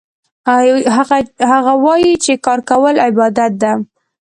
هغه وایي چې کار کول عبادت ده